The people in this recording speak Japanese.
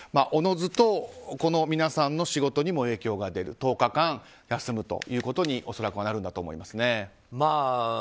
おのずと皆さんの仕事にも影響が出る１０日間休むということに恐らく、なるんだと思います。